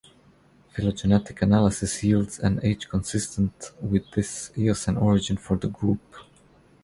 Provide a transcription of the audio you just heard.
Phylogenetic analysis yields an age consistent with this Eocene origin for the group.